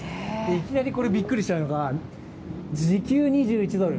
いきなりびっくりしちゃうのが、時給２１ドル。